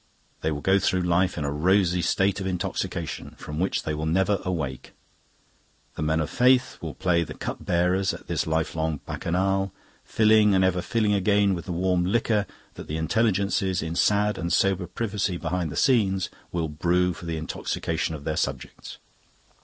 They will go through life in a rosy state of intoxication, from which they will never awake. The Men of Faith will play the cup bearers at this lifelong bacchanal, filling and ever filling again with the warm liquor that the Intelligences, in sad and sober privacy behind the scenes, will brew for the intoxication of their subjects."